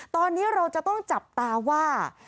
ตอนนี้เราจะต้องจับตาว่า